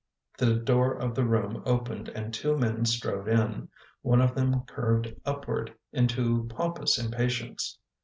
The door of the room opened and two men strode in. One of them curved upward into pompous impatience.